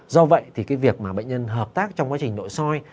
do vậy thì cái việc mà bệnh nhân hợp tác trong quá trình nội soi